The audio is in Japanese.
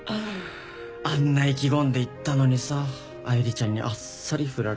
あんな意気込んで行ったのにさ愛梨ちゃんにあっさり振られて。